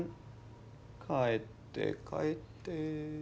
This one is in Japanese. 帰って帰って。